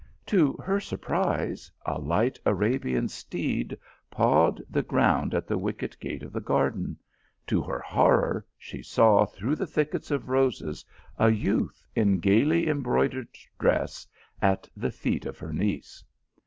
To her surprise, a light Arabian steed pawed the ground at the wicket gate of the garden, to her horror she saw through the thickets of roses, a youth, in gaily embroidered dress, at the feet of her niece.